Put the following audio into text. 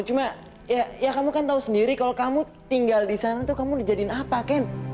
cuma ya kamu kan tahu sendiri kalau kamu tinggal di sana tuh kamu dijadiin apa kem